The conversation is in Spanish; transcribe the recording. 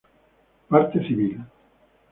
Parte Civil.